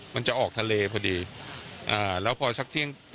มันจะออกทะเลพอดี